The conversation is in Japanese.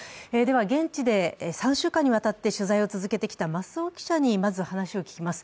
現地で３週間にわたって取材を続けてきた増尾記者にまず話を聞きます。